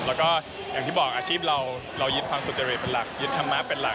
แล้วก็อย่างที่บอกอาชีพเราเรายึดความสุจริตเป็นหลักยึดธรรมะเป็นหลัก